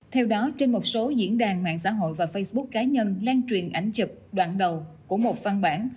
theo đó trên một số diễn đàn mạng xã hội và facebook cá nhân lan truyền ảnh trực đoạn đầu của một văn bản